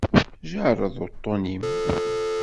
Jerred uṭṭun-im.